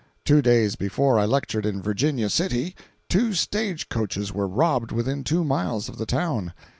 Two days before I lectured in Virginia City, two stagecoaches were robbed within two miles of the town.